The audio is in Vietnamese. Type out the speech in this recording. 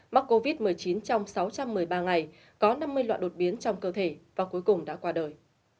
mắc covid một mươi chín trong sáu trăm một mươi ba ngày có năm mươi loại đột biến trong cơ thể và cuối cùng đã qua đời